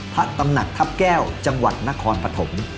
พระตำหนักทัพแก้วจังหวัดนครปฐม